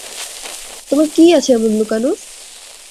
তোমার কি আছে এমন লুকানোর?